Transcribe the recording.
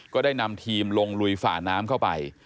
ก็ได้นำทีมลงลุยฝ่าน้ำเข้าไป